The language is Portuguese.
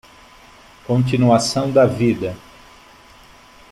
Continuação da vida